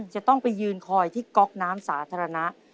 จะต้องไปยืนคอยที่ก๊อกน้ำสาธารณะ